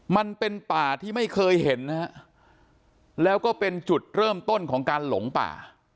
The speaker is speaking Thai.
มันเป็นป่าที่ไม่เคยเห็นนะฮะแล้วก็เป็นจุดเริ่มต้นของการหลงป่า